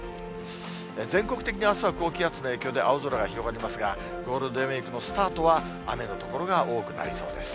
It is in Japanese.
全国的にあすは高気圧の影響で青空が広がりますが、ゴールデンウィークのスタートは雨の所が多くなりそうです。